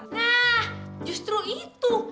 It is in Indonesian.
nah justru itu